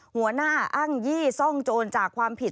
หัวหน้าอ้างยี่ซ่องโจรจากความผิด